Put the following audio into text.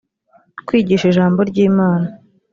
kwigisha ijambo ry’imana